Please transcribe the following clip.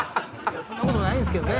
そんなことないんすけどね